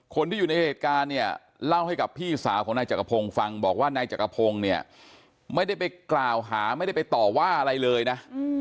คนที่อยู่ในเหตุการณ์เนี่ยเล่าให้กับพี่สาวของนายจักรพงศ์ฟังบอกว่านายจักรพงศ์เนี่ยไม่ได้ไปกล่าวหาไม่ได้ไปต่อว่าอะไรเลยนะ